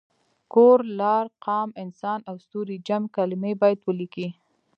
کور، لار، قام، انسان او ستوری جمع کلمې باید ولیکي.